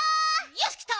よしきた！